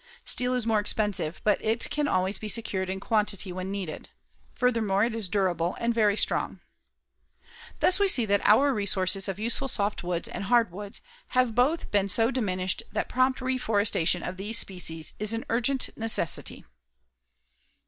Steel is more expensive but it can always be secured in quantity when needed. Furthermore, it is durable and very strong. Thus we see that our resources of useful soft woods and hard woods have both been so diminished that prompt reforestation of these species is an urgent necessity.